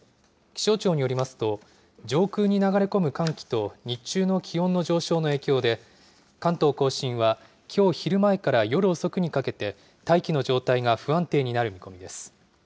気象庁によりますと、上空に流れ込む寒気と、日中の気温の上昇の影響で、関東甲信はきょう昼前から夜遅くにかけて、大気の状態が不安定になる見込みです。